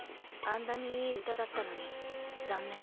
「あんなにいい歌だったのに残念」。